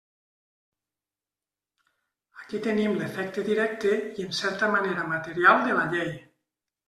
Aquí tenim l'efecte directe i en certa manera material de la llei.